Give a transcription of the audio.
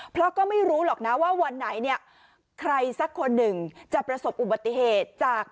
เพราะก็ไม่รู้หรอกนะว่าวันไหนเนี่ยใครสักคนหนึ่งจะประสบอุบัติเหตุจาก